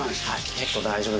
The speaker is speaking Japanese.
結構大丈夫です。